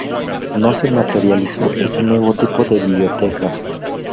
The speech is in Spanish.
No se materializó este nuevo tipo de Biblioteca.